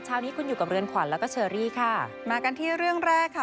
เช้านี้คุณอยู่กับเรือนขวัญแล้วก็เชอรี่ค่ะมากันที่เรื่องแรกค่ะ